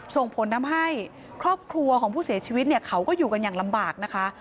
ส่งผลทำให้ครอบครัวของผู้เสียชีวิตเนี่ยเขาก็อยู่กันอย่างลำบากนะคะ